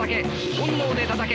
本能でたたけ。